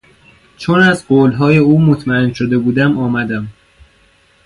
چون از قولهای او مطمئن شده بودم آمدم.